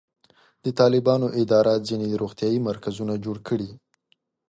د طالبانو اداره ځینې روغتیایي مرکزونه جوړ کړي.